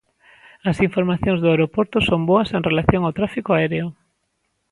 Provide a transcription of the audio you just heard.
As informacións do aeroporto son boas en relación ao tráfico aéreo.